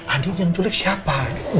andi yang diculik siapa